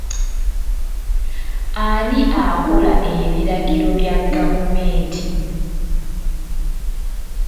Ani akola ebiragiro bya gavumenti?